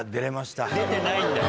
出てないんだよ